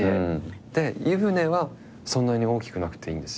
で湯船はそんなに大きくなくていいんですよ。